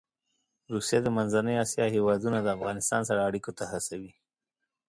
روسیه د منځنۍ اسیا هېوادونه د افغانستان سره اړيکو ته هڅوي.